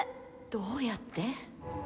どうやって？